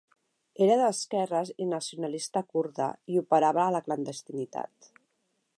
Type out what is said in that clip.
Era d'esquerres i nacionalista kurda i operava a la clandestinitat.